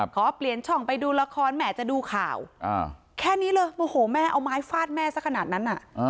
ขอเปลี่ยนช่องไปดูละครแม่จะดูข่าวแค่นี้เลยโมโหแม่เอาไม้ฟาดแม่สักขนาดนั้น